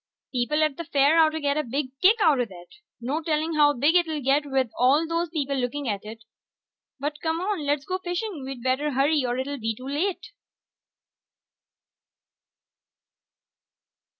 People at the fair oughtta get a big kick outta that. No telling how big it'll get with all those people looking at it. But come on, let's go fishing. We'd better hurry or it'll be too late.